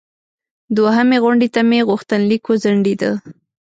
دوهمې غونډې ته مې غوښتنلیک وځنډیده.